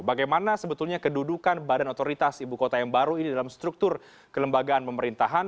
bagaimana sebetulnya kedudukan badan otoritas ibu kota yang baru ini dalam struktur kelembagaan pemerintahan